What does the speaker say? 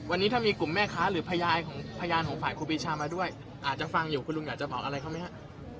วันนี้ถ้ามีกลุ่มแม่ค้าหรือพยานของพยานของฝ่ายครูปีชามาด้วยอาจจะฟังอยู่คุณลุงอยากจะบอกอะไรเขาไหมฮะ